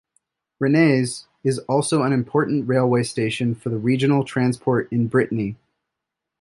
Rennes is also an important railway station for regional transport in Brittany.